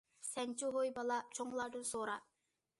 - سەنچۇ ھوي بالا،- چوڭلاردىن سورا.